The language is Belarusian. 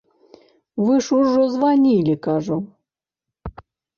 Вы ж ужо званілі, кажу.